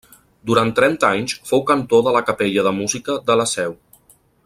Durant trenta anys fou cantor de la Capella de Música de la Seu.